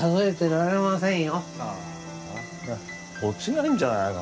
あーあ落ちないんじゃないの？